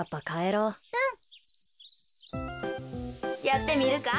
やってみるか？